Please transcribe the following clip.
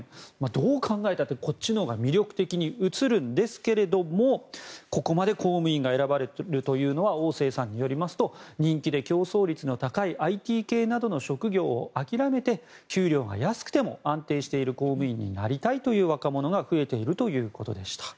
どう考えたって、こっちのほうが魅力的に映るんですがここまで公務員が選ばれるというのはオウ・セイさんによりますと人気で競争率の高いＩＴ系などの職業を諦めて給料が安くても安定している公務員になりたいという若者が増えているということでした。